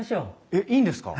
えっいいんですか？